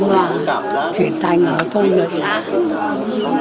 công an huyện phú xuyên công an huyện phú xuyên